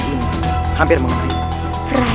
sekarang kita berserah